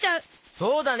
そうだね！